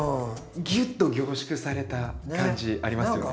ギュッと凝縮された感じありますよね。